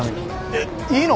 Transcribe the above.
えっいいの！？